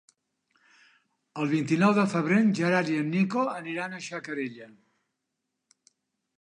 El vint-i-nou de febrer en Gerard i en Nico aniran a Xacarella.